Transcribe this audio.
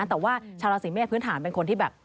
แต่ว่าชาวราศีเมษพื้นฐานเป็นคนที่แบบ